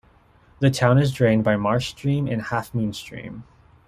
The town is drained by Marsh Stream and Halfmoon Stream.